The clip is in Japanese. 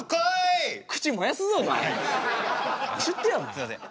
すいません。